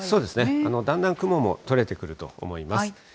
だんだん雲も取れてくると思います。